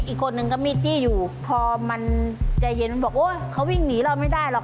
อีกคนนึงก็มีจี้อยู่พอมันใจเย็นมันบอกโอ๊ยเขาวิ่งหนีเราไม่ได้หรอก